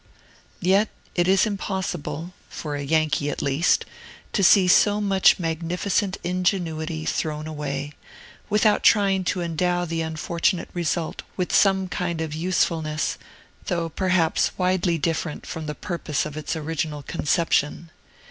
Yet it is impossible (for a Yankee, at least) to see so much magnificent ingenuity thrown away, without trying to endow the unfortunate result with some kind of use, fulness, though perhaps widely different from the purpose of its original conception.